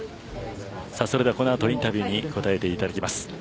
それではこの後インタビューに答えていただきます。